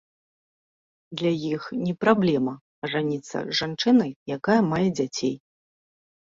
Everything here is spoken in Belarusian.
Для іх не праблема ажаніцца з жанчынай, якая мае дзяцей.